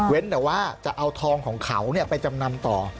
แต่ว่าจะเอาทองของเขาไปจำนำต่อ